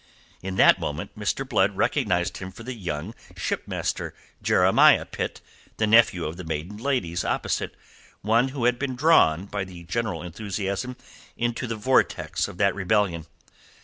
In that moment Mr. Blood recognized him for the young shipmaster, Jeremiah Pitt, the nephew of the maiden ladies opposite, one who had been drawn by the general enthusiasm into the vortex of that rebellion.